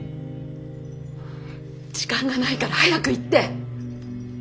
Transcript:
時間がないから早く言って。